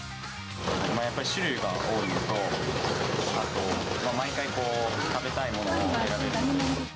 やっぱり種類が多いのと、あと、毎回食べたいものを選べるので。